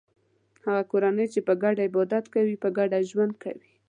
هغه کورنۍ چې په ګډه عبادت کوي په ګډه ژوند کوي.